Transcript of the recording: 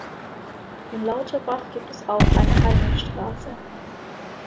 In Lauterbach gibt es auch eine Heinestraße.